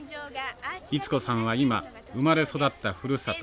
溢子さんは今生まれ育ったふるさと